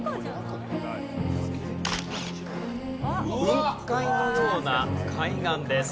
雲海のような海岸です。